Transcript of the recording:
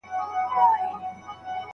کورني توليدات په ازاد بازار کي پلورل کيدل.